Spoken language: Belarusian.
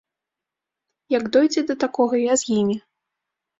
Як дойдзе да такога, я з імі.